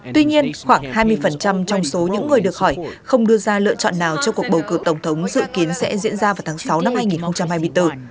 tuy nhiên khoảng hai mươi trong số những người được hỏi không đưa ra lựa chọn nào cho cuộc bầu cử tổng thống dự kiến sẽ diễn ra vào tháng sáu năm hai nghìn hai mươi bốn